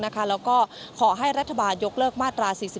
แล้วก็ขอให้รัฐบาลยกเลิกมาตรา๔๔